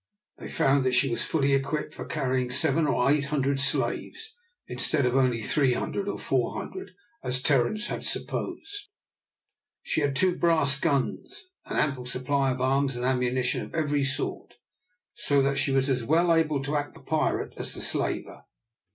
They found that she was fully equipped for carrying 700 or 800 slaves, instead of only 300 or 400, as Terence had supposed. She had two brass guns, an ample supply of arms and ammunition of every sort, so that she was as well able to act the pirate as the slaver.